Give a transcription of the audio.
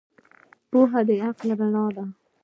پوهه د عقل رڼا ده.